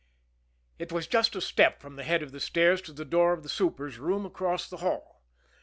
It was just a step from the head of the stairs to the door of the super's room across the hall.